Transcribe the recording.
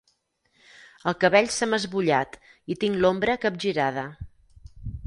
El cabell se m'ha esbullat i tinc l'ombra capgirada.